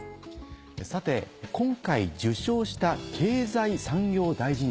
さて今回受賞した経済産業大臣賞。